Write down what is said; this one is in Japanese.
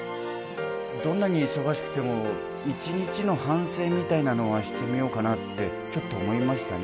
どんなに忙しくても１日の反省みたいなのはしてみようかなってちょっと思いましたね。